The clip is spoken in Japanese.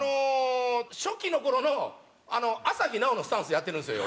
初期の頃の朝日奈央のスタンスでやってるんですよ